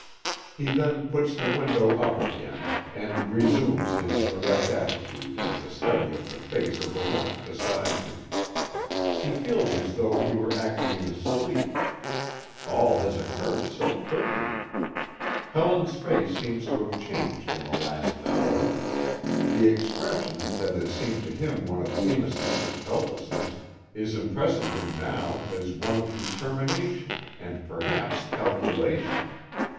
He then puts the window up again, and resumes his erect attitude and the study of the face of the woman beside him. He feels as though he were acting in his sleep. All has occurred so quickly. Helen's face seems to have changed in the last hour. The expression that has seemed to him one of innocence and helplessness, is impressing him now as one of determination and perhaps calculation.